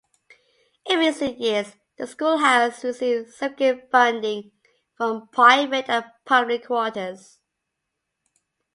In recent years, the school has received significant funding from private and public quarters.